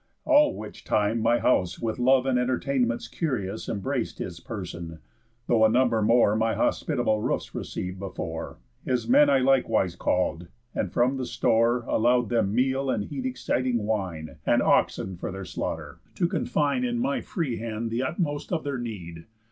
All which time my house With love and entertainments curious Embrac'd his person, though a number more My hospitable roofs receiv'd before, His men I likewise call'd, and from the store Allow'd them meal and heat exciting wine, And oxen for their slaughter, to confine In my free hand the utmost of their need.